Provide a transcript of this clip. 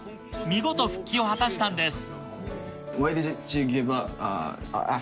見事復帰を果たしたんです